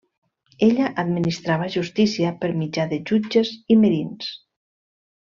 Ella administrava justícia per mitjà de jutges i merins.